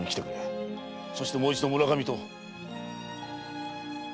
そしてもう一度村上と。